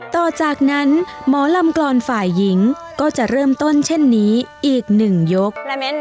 ต่อจากนั้นหมอลำกรอนฝ่ายหญิงก็จะเริ่มต้นเช่นนี้อีกหนึ่งยก